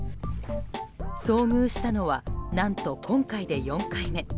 遭遇したのは何と今回で４回目。